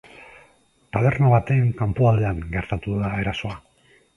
Taberna baten kanpoaldean gertatu da erasoa.